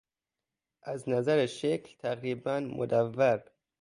از نظر شکل تقریبا مدور